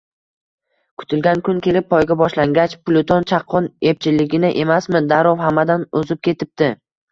Kutilgan kun kelib poyga boshlangach, Pluton chaqqon, epchilgina emasmi, darrov hammadan oʻzib ketibdi